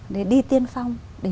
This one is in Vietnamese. để đi tiên phong để mở đường